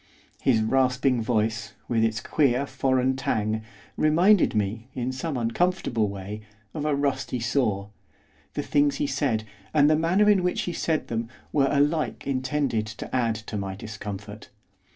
His rasping voice, with its queer foreign twang, reminded me, in some uncomfortable way, of a rusty saw, the things he said, and the manner in which he said them, were alike intended to add to my discomfort.